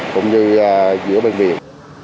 cũng như giữa bệnh viện